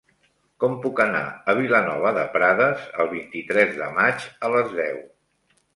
Com puc anar a Vilanova de Prades el vint-i-tres de maig a les deu?